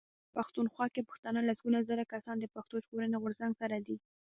پښتونخوا کې پښتانه لسګونه زره کسان د پښتون ژغورني غورځنګ سره دي.